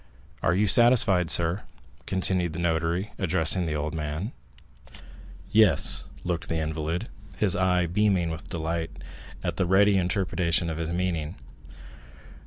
Are you satisfied, sir?" continued the notary, addressing the old man. 30175m "Yes," looked the invalid, his eye beaming with delight at the ready interpretation of his meaning.